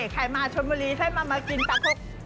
ใครมาชุนมุลีใช่มามากินปลาคลก